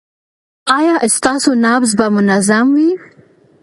ایا ستاسو نبض به منظم وي؟